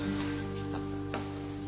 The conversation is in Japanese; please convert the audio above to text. さあ。